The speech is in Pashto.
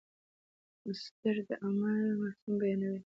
مصدر د عمل مفهوم بیانوي.